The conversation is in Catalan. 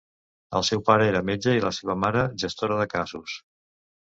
El seu pare era metge i la seva mare gestora de casos.